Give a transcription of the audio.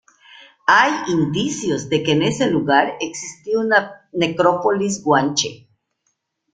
Hay indicios de que en ese lugar existía una necrópolis guanche.